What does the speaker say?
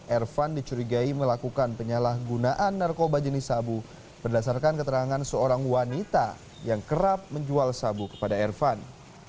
ervan dicurigai melakukan penyalahgunaan narkoba jenis sabu berdasarkan keterangan seorang wanita yang kerap menjual sabu kepada ervan